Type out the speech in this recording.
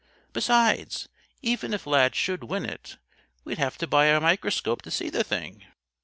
Besides, even if Lad should win it, we'd have to buy a microscope to see the thing.